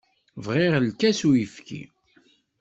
Bɣiɣ lkas n uyefki.